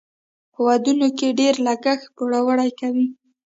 په ودونو کې ډیر لګښت پوروړي کوي.